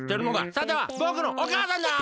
さてはぼくのおかあさんだな！